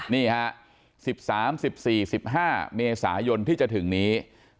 นี่ฮะ๑๓๑๔๑๕เมษายนที่จะถึงนี้